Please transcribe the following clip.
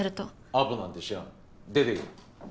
アポなんて知らん出てけ。